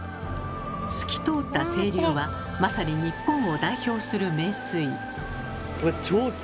透き通った清流はまさに日本を代表する名水。